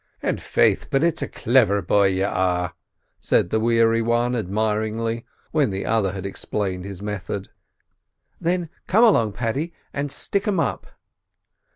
"And, faith, but it's a cliver boy you are," said the weary one admiringly, when the other had explained his method. "Then come along, Paddy, and stick 'em up."